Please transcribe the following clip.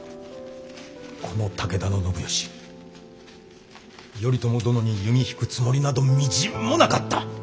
この武田信義頼朝殿に弓引くつもりなどみじんもなかった。